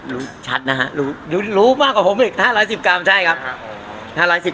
รู้ชัดนะฮะรู้มากกว่าผมฮะ๕๑๐กรัม